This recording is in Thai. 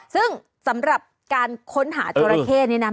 ซึ่งสำหรับการค้นหาจราเข้นี้นะ